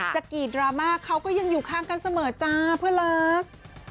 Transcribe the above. กรีดดราม่าเขาก็ยังอยู่ข้างกันเสมอจ้าเพื่อรัก